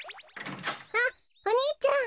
あっお兄ちゃん！